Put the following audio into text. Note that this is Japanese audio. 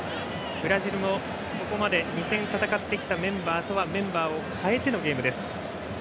ブラジルもここまで２戦戦ってきたメンバーとはメンバーを変えてのゲームです。